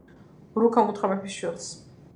რუქამ უთხრა მეფის შვილს: